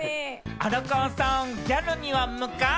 荒川さん、ギャルには向かん！